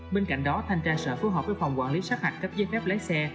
bên cạnh đó thanh tra sở phù hợp với phòng quản lý sát hạch cấp giấy phép lái xe